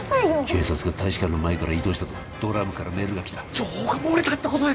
警察が大使館の前から移動したとドラムからメールがきた情報が漏れたってことですか？